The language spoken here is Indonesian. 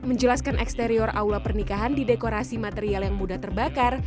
menjelaskan eksterior aula pernikahan didekorasi material yang mudah terbakar